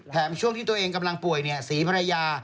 แถมช่วงที่ตัวเองกำลังป่วยเนี่ยศรีภรรยา